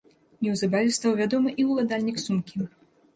Неўзабаве стаў вядомы і ўладальнік сумкі.